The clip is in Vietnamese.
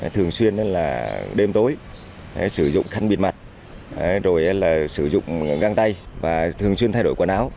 thường xuyên là đêm tối sử dụng khăn bịt mặt rồi là sử dụng găng tay và thường xuyên thay đổi quần áo